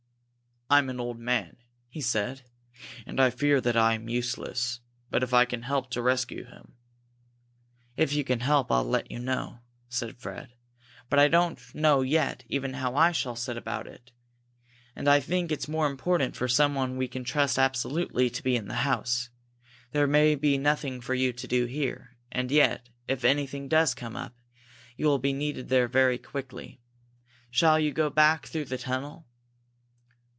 "I am an old man," he said, "and I fear that I am useless. But if I can help to rescue him " "If you can help, I'll let you know," said Fred. "But I don't know yet even how I shall set about it. And I think it's more important for someone we can trust absolutely to be in the house. There may be nothing for you to do there, and yet, if anything does come up, you will be needed there very quickly. Shall you go back through the tunnel?"